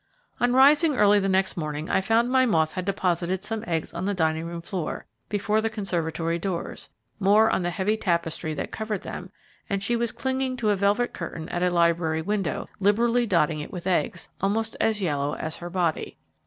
On rising early the next morning, I found my moth had deposited some eggs on the dining room floor, before the conservatory doors, more on the heavy tapestry that covered them, and she was clinging to a velvet curtain at a library window, liberally dotting it with eggs, almost as yellow as her body.